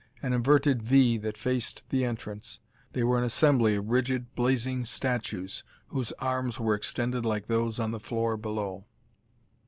An inverted "V" that faced the entrance they were an assembly of rigid, blazing statues whose arms were extended like those on the floor below.